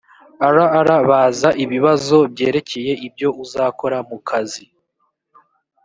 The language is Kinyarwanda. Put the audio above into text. rr baza ibibazo byerekeye ibyo uzakora mu kazi